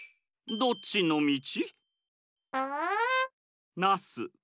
どっちのみち？